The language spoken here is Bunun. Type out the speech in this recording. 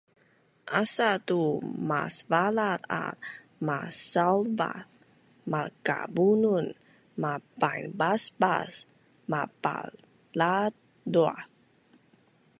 Asa tu masvala at masaulvaz malkabunun, mapainbaasbaas mapaladuaz